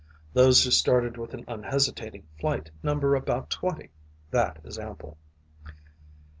Those who started with an unhesitating flight number about twenty. That is ample.